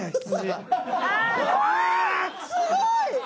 あすごい！